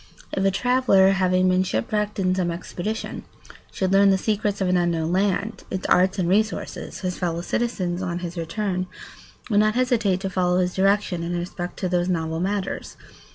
If a traveller, having been shipwrecked in some expedition, should learn the secrets of an unknown land, its arts and resources, his fellow citizens, on his return, would not hesitate to follow his direction in respect to those novel matters.